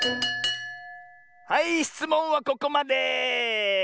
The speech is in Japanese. はいしつもんはここまで！